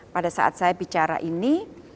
pada saat saya bicara ini